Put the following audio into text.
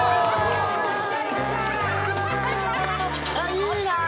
いいな！